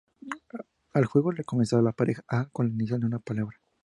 El juego lo comenzaba la pareja A, con la inicial de una palabra.